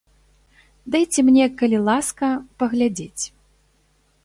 Дайце мне, калі ласка, паглядзець.